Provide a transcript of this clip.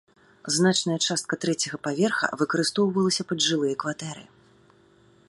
Значная частка трэцяга паверха выкарыстоўвалася пад жылыя кватэры.